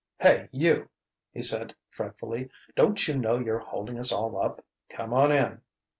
"Hey, you!" he called fretfully. "Don't you know you're holding us all up? Come on in...."